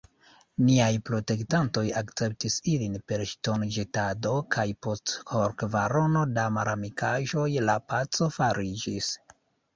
Niaj protektantoj akceptis ilin per ŝtonĵetado, kaj post horkvarono da malamikaĵoj, la paco fariĝis.